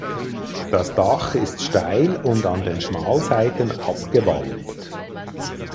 Das Dach ist steil und an den Schmalseiten abgewalmt.